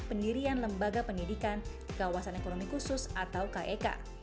pendirian lembaga pendidikan kawasan ekonomi khusus atau kek